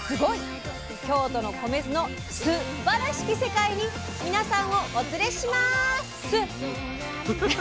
京都の米酢の「す」ばらしき世界に皆さんをお連れしまっ「す」！